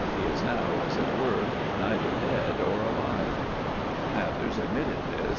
He is now, as it were, neither dead or alive." Mathers admitted this.